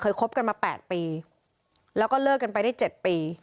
เคยคบกันมาแปดปีแล้วก็เลิกกันไปได้เจ็ดปี